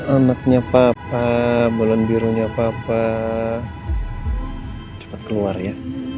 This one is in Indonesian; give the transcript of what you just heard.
anaknya papa bolon birunya papa cepet keluar ya